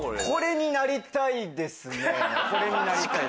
これになりたいです。